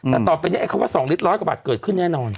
แต่ต่อไปนี้ไอ้คำว่า๒ลิตรร้อยกว่าบาทเกิดขึ้นแน่นอน